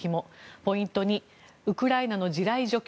ポイント２ウクライナの地雷除去